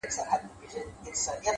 پوهه د انسان وزرونه پیاوړي کوي